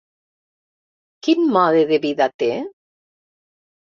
Quin mode de vida té?